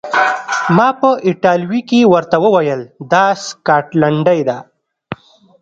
ما په ایټالوي کې ورته وویل: دا سکاټلنډۍ ده.